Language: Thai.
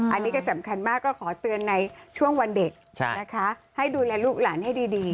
อันนี้ก็สำคัญมากก็ขอเตือนในช่วงวันเด็กนะคะให้ดูแลลูกหลานให้ดี